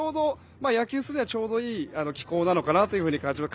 野球するにはちょうどいい気候なのかなと感じます。